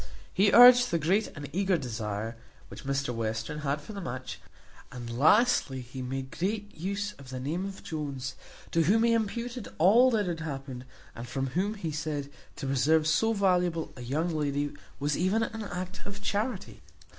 He urged the great and eager desire which Mr Western had for the match; and lastly, he made great use of the name of Jones, to whom he imputed all that had happened; and from whom, he said, to preserve so valuable a young lady was even an act of charity.